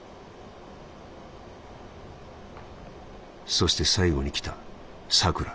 「そして最後に来たさくら。